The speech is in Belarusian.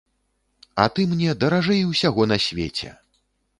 А ты мне даражэй усяго на свеце!